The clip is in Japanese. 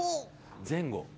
前後。